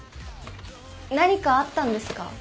何かあったんですか？